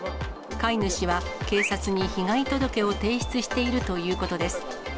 飼い主は警察に被害届を提出しているということです。